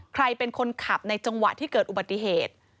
ใครเป็นคนขับในจังหวะที่เกิดอุบัติเหตุ